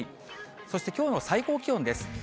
そしてきょうの最高気温です。